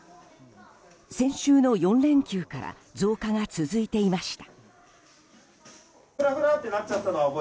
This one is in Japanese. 先週の４連休から増加が続いていました。